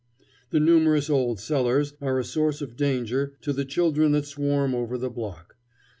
"The numerous old cellars are a source of danger to the children that swarm over the block.